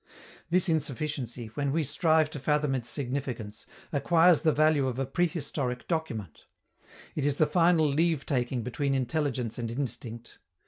This insufficiency, when we strive to fathom its significance, acquires the value of a prehistoric document; it is the final leave taking between intelligence and instinct.